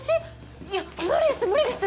いや無理です無理です！